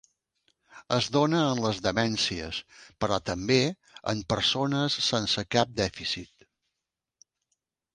Es dóna en les demències, però també en persones sense cap dèficit.